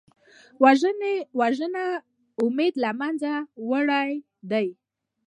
وژنه د امید له منځه وړل دي